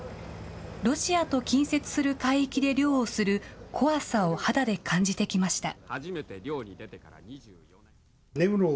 ロシアと近接する海域で漁をする怖さを肌で感じてきました。